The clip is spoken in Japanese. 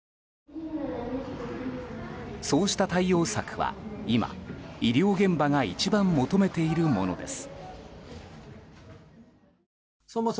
そうした対応策は今、医療現場が一番求めているものです。